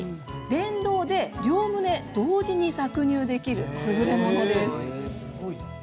電動で両胸同時に搾乳できるすぐれものです。